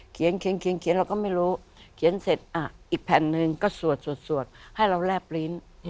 เขียนเราก็ไม่รู้เขียนเสร็จอีกแผ่นหนึ่งก็สวดให้เราแลบลิ้น